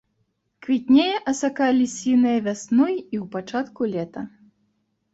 Квітнее асака лісіная вясной і ў пачатку лета.